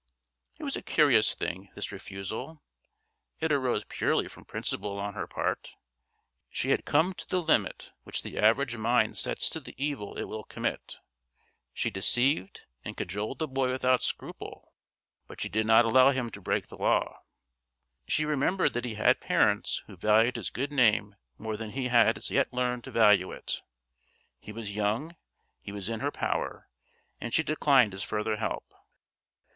It was a curious thing, this refusal. It arose purely from principle on her part; she had come to the limit which the average mind sets to the evil it will commit. She deceived and cajoled the boy without scruple, but she did not allow him to break the law. She remembered that he had parents who valued his good name more than he had as yet learned to value it. He was young; he was in her power; and she declined his further help.